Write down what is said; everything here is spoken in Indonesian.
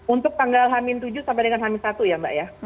untuk tanggal hamin tujuh sampai dengan hamin satu ya mbak ya